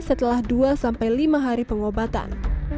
setelah dua sampai lima hari pengobatan